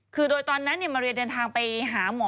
คือโดยตอนนั้นมาเรียนเดินทางไปหาหมอ